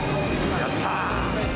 やった！